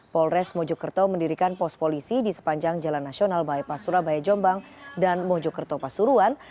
polres mojokerto mendirikan pos polisi di sepanjang jalan nasional bypas surabaya jombang dan mojokerto pasuruan